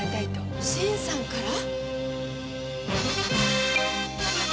新さんから！？